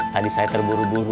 tadi saya terburu buru